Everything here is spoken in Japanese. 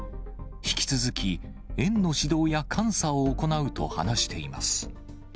引き続き、園の指導や監査を行うと話しています。